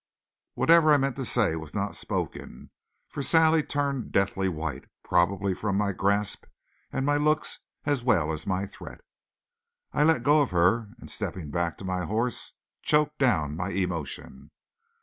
Whatever I meant to say was not spoken, for Sally turned deathly white, probably from my grasp and my looks as well as my threat. I let go of her, and stepping back to my horse choked down my emotion.